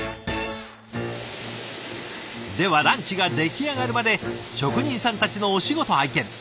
ではランチが出来上がるまで職人さんたちのお仕事拝見。